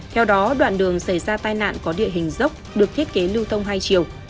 theo đó đoạn đường xảy ra tai nạn có địa hình dốc được thiết kế lưu thông hai chiều